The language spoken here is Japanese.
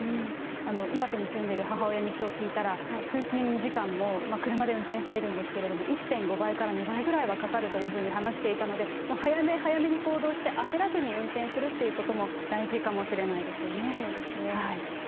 岩手に住んでる母親に、きょう聞いたら、通勤時間も車で運転しているんですけれども、１．５倍から２倍ぐらいはかかるというふうに話していたので、早め早めに行動して、焦らずに運転するっていうことも大事かもしれないですよね。